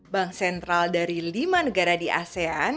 bank sentral dari lima negara di asean